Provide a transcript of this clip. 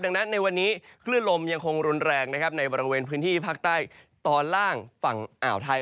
ดังนั้นในวันนี้คลื่นลมยังคงรุนแรงนะครับในบริเวณพื้นที่ภาคใต้ตอนล่างฝั่งอ่าวไทย